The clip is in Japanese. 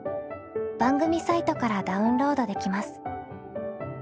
番組サイトからダウンロードできます。